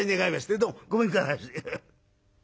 どうもごめんくださいませ」。